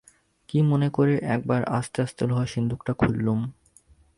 কী মনে করে একবার আস্তে আস্তে লোহার সিন্দুকটা খুললুম।